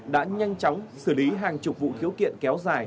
đã nhanh chóng xử lý hàng chục vụ khiếu kiện kéo dài